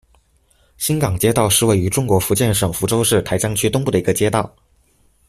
新港街道是位于中国福建省福州市台江区东部的一个街道。